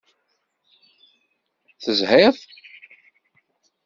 Tezhiḍ.